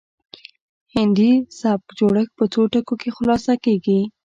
د هندي سبک جوړښت په څو ټکو کې خلاصه کیږي